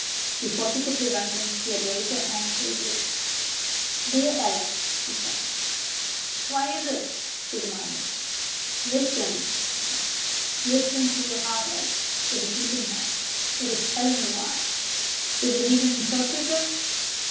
Before she could prevent him he had raised her hand to his lips. "Dear Alice!" he said. "Why is it?" she demanded. "Listen!" he said. "Listen to your heart, Alice; it is beating now. It is telling you why. Does it need an interpreter?